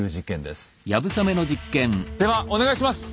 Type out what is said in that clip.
ではお願いします。